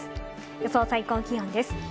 予想最高気温です。